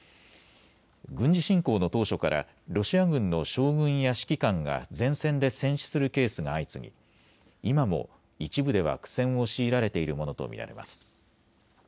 軍事侵攻の当初からロシア軍の将軍や指揮官が前線で戦死するケースが相次ぎ、今も一部では苦戦を強いられているものと見られます。